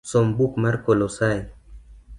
Som buk mar kolosai